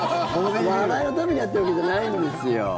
笑いのためにやってるわけじゃないんですよ。